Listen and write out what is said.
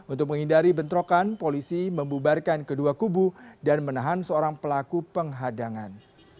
untuk menghindari bentrokan polisi membubarkan kedua kubu dan menahan seorang pelaku penghadangan